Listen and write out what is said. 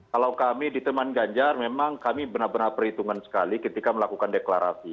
kalau kami di teman ganjar memang kami benar benar perhitungan sekali ketika melakukan deklarasi